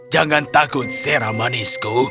jangan takut sarah manisku